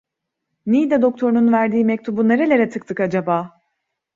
Niğde doktorunun verdiği mektubu nerelere tıktık acaba?